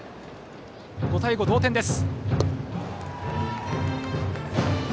５対５、同点です。